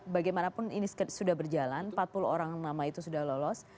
bagaimanapun ini sudah berjalan empat puluh orang nama itu sudah lolos